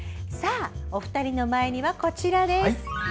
お二人の前には、こちらです。